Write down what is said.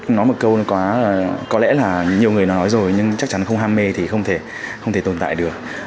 nói một câu nó quá là có lẽ là nhiều người nói rồi nhưng chắc chắn không ham mê thì không thể tồn tại được